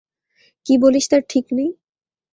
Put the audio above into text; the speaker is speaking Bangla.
কী বলিস তার ঠিক নেই!